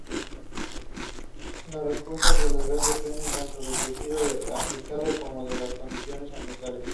Las respuestas al gas dependen tanto del tejido afectado como de las condiciones ambientales.